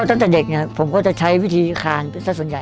ตั้งแต่เด็กผมก็จะใช้วิธีคาญเป็นส่วนใหญ่